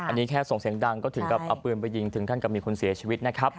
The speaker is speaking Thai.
อันนี้แค่ส่งเสียงดังก็ถึงกับเอาปืนไปยิงถึงขั้นกับมีคนเสียชีวิตนะครับ